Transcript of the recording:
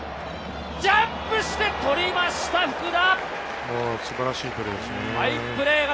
ジャンプして捕りました、福田。